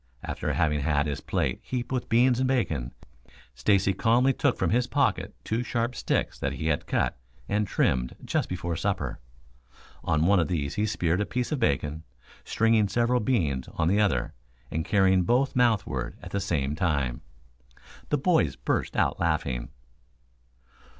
After having had his plate heaped with beans and bacon, Stacy calmly took from his pocket two sharp sticks that he had cut and trimmed just before supper. On one of these he speared a piece of bacon, stringing several beans on the other, and carrying both mouthward at the same time. The boys burst out laughing.